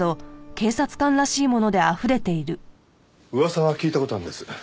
噂は聞いた事があるんです。